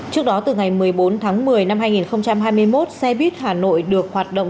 trước đó từ ngày một mươi bốn tháng một mươi năm hai nghìn hai mươi một xe buýt hà nội được hoạt động